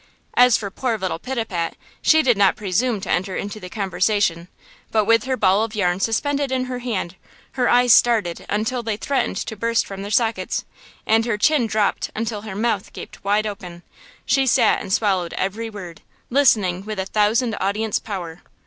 As for poor little Pitapat, she did not presume to enter into the conversation; but, with her ball of yarn suspended in her hand, her eyes started until they threatened to burst from their sockets, and her chin dropped until her mouth gaped wide open, she sat and swallowed every word, listening with a thousand audience power.